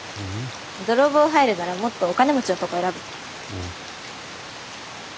泥棒入るならもっとお金持ちのとこ選ぶって。